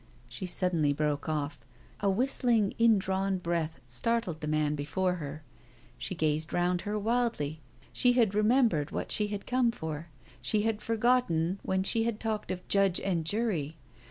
She suddenly broke off. A whistling indrawn breath startled the man before her. She gazed round her wildly; she had remembered what she had come for. She had forgotten when she had talked of "judge and jury."